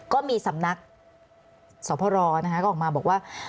ก็มีสำนักสพนะคะก็ออกมาบอกว่า